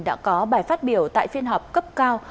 đã có bài phát biểu tại phiên họp cấp cao